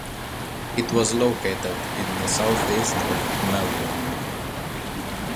It was located in the south-east of Melbourne.